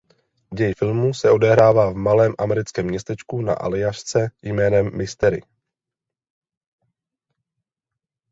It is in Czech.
Děj filmu se odehrává v malém americkém městečku na Aljašce jménem Mystery.